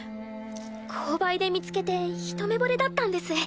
購買で見つけてひと目惚れだったんです。